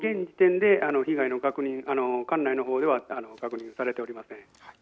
現時点で被害の確認館内の方では確認されておりません。